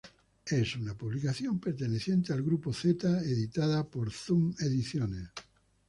Es una publicación perteneciente al Grupo Zeta, editada por Zoom Ediciones.